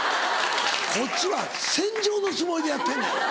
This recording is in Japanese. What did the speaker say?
こっちは戦場のつもりでやってんねん。